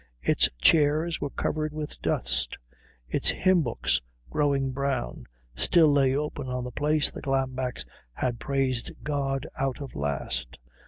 Its chairs were covered with dust; its hymn books, growing brown, still lay open at the place the Glambecks had praised God out of last.